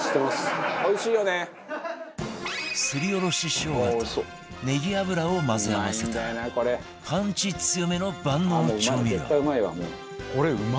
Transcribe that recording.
すりおろし生姜とネギ油を混ぜ合わせたパンチ強めの万能調味料